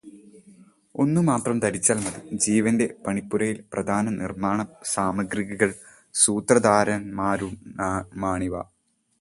ഒന്നുമാത്രം ധരിച്ചാൽ മതി, ജീവന്റെ പണിപ്പുരയിലെ പ്രധാന നിർമ്മാണസാമഗ്രികളും സൂത്രധാരൻമാരുമാണിവ.